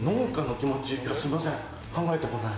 いや、すいません、考えたことない。